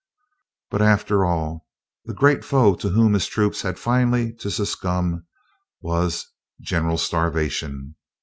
But, after all, the great foe to whom his troops had finally to succumb, was General Starvation.